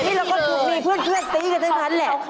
นี่เราก็คือมีเพื่อนซีกันทั้งนั้นแหละ